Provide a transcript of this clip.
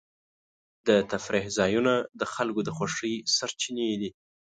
د تفریح ځایونه د خلکو د خوښۍ سرچینې دي.